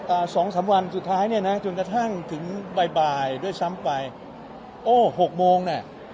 อ่าสองสามวันสุดท้ายเนี้ยนะจนกระทั่งถึงบ่ายบ่ายด้วยซ้ำไปโอ้หกโมงน่ะ